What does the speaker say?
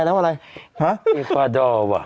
เอวกวาดอร์วะ